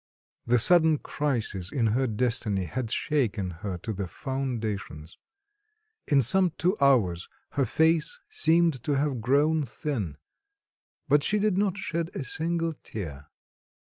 The sudden crisis in her destiny had shaken her to the foundations. In some two hours her face seemed to have grown thin. But she did not shed a single tear.